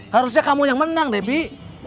harusnya kamu yang menang debbie